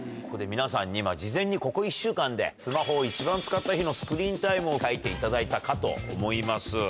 ここで皆さんに事前にここ１週間でスマホを一番使った日のスクリーンタイムを書いていただいたかと思います。